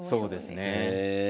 そうですね。